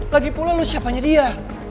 lagipula lo siapanya dia